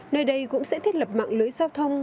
nơi đây cũng sẽ thiết lập mạng lưới giao thông